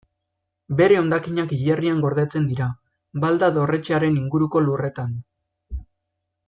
Bere hondakinak hilerrian gordetzen dira, Balda dorretxearen inguruko lurretan.